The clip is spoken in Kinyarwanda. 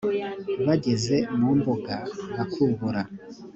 bageze mu mbuga bakubura